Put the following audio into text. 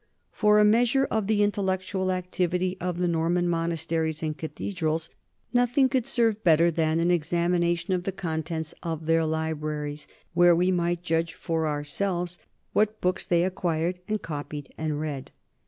For a measure of the intellectual activity of the Nor man monasteries and cathedrals nothing could serve better than an examination of the contents of their libraries, where we might judge for ourselves what books they acquired and copied and read.